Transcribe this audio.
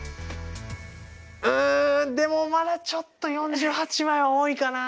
うんでもまだちょっと４８枚は多いかな。